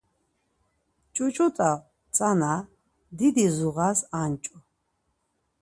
Ç̌uç̌ut̆a tsana didi zuğas anç̌u.